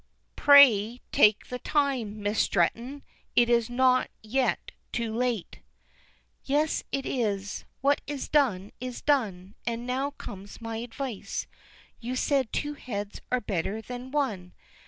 "Pray take the time, Miss Stretton; it is not yet too late." "Yes, it is. What is done, is done, and now comes my advice. You said two heads are better than one.